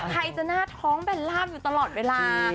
ใครจะหน้าท้องเบลล่ามอยู่ตลอดเวลา